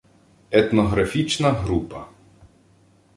етнографічна група